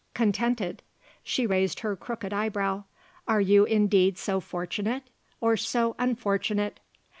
"Contented?" she raised her crooked eyebrow. "Are you indeed so fortunate? or so unfortunate?"